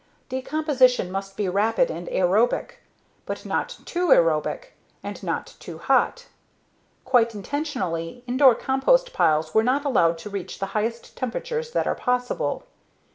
Decomposition must be rapid and aerobic, but not too aerobic. And not too hot. Quite intentionally, Indore compost piles were not allowed to reach the highest temperatures that are possible.